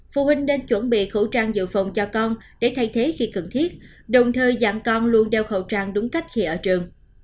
phụ huynh nên chuẩn bị khẩu trang dự phòng cho con để thay thế khi cần thiết đồng thời dặn con luôn đeo khẩu trang đúng cách khi ở trường